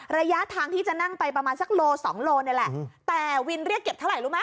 ระยะทางที่จะนั่งไปประมาณสักโลสองโลนี่แหละแต่วินเรียกเก็บเท่าไหร่รู้ไหม